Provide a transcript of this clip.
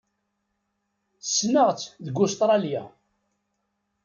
Ssneɣ-tt deg Ustṛalya.